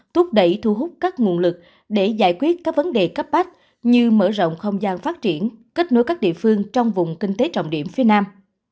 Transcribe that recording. thúc đẩy thu hút các nguồn lực để giải quyết các vấn đề cấp bách như mở rộng không gian phát triển kết nối các địa phương trong vùng kinh tế trọng điểm phía nam